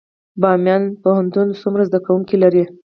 بامیان پوهنتون څومره زده کوونکي لري؟